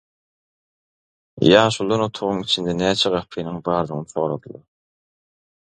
Ýaşulydan otagyň içinde näçe gapynyň bardygyny soradylar.